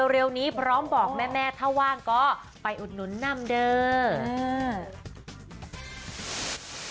เร็วนี้พร้อมบอกแม่ถ้าว่างก็ไปอุดหนุนนำเด้อ